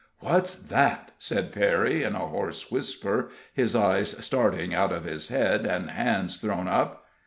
"What's that?" said Perry, in a hoarse whisper, his eyes starting out of his head, and hands thrown up.